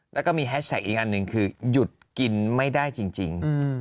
แล้วก็มีแฮชแท็กอีกอันหนึ่งคือหยุดกินไม่ได้จริง